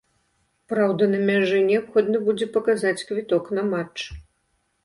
Праўда, на мяжы неабходна будзе паказаць квіток на матч.